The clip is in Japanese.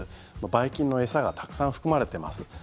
ばい菌の餌がたくさん含まれています。